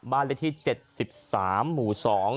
บ้านเล่นที่๗๓หมู่๒